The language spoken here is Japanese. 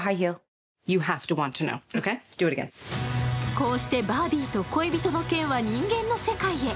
こうしてバービーと恋人のケンは人間の世界へ。